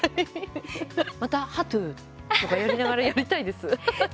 またハットゥとか言いながらやりたいです。